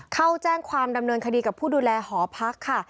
เข้าแจ้งความดำเนินคดีกับผู้ดูแลหอพักค่ะ